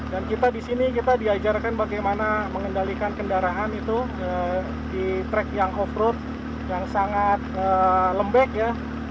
dan kita di sini kita diajarkan bagaimana mengendalikan kendaraan itu di track yang off road yang sangat lembek ya